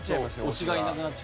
推しがいなくなっちゃう。